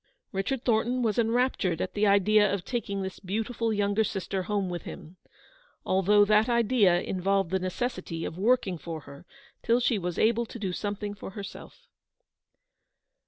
Richard Thornton was enraptured at the idea of taking this beautiful younger sister home with him, although that idea involved the necessity of working for her till she was able to do something for herself.